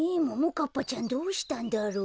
かっぱちゃんどうしたんだろう？